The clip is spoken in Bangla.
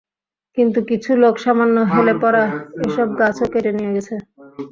কিন্তু কিছু লোক সামান্য হেলে পড়া এসব গাছও কেটে নিয়ে গেছে।